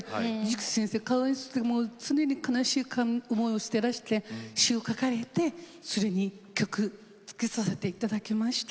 木先生かわいそうで常に悲しい思いをしてらして詞を書かれてそれに曲つけさせていただきました。